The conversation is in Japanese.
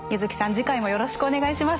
次回もよろしくお願いします。